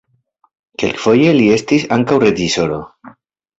Kelkfoje li estis ankaŭ reĝisoro.